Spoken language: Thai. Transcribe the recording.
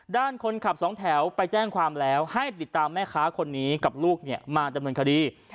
ด้านคนขับสองแถวไปแจ้งความแล้วให้ติดตามแม่ค้าคนนี้กับลูกมาดำเนินคดี